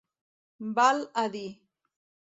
Val a dir.